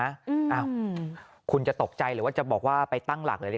อ้าวคุณจะตกใจหรือว่าจะบอกว่าไปตั้งหลักเลย